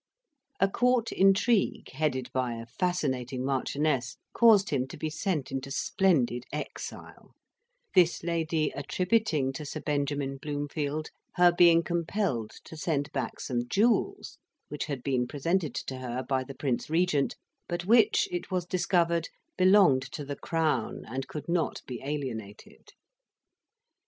A court intrigue, headed by a fascinating marchioness, caused him to be sent into splendid exile: this lady attributing to Sir Benjamin Bloomfield her being compelled to send back some jewels which had been presented to her by the Prince Regent; but which, it was discovered, belonged to the Crown, and could not be alienated.